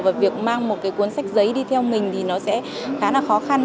và việc mang một cái cuốn sách giấy đi theo mình thì nó sẽ khá là khó khăn